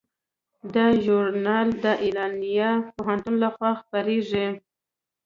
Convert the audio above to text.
دا ژورنال د ایلینای پوهنتون لخوا خپریږي.